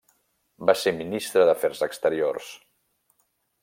Va ser ministre d'afers exteriors.